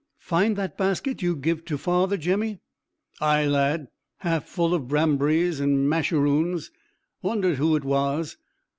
"Find that basket you give to father, Jemmy?" "Ay, lad, half full o' brambrys and masheroons. Wondered whose it was.